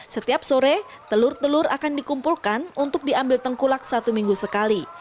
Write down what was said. setiap sore telur telur akan dikumpulkan untuk diambil tengkulak satu minggu sekali